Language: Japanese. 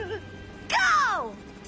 ゴー！